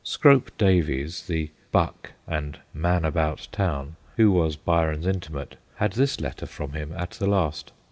Scrope Davies, the buck and ' man about town/ who was Byron's intimate, had this letter from him at the last.